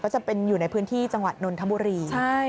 จะเป็นอยู่ในพื้นที่จังหวัดนนทบุรี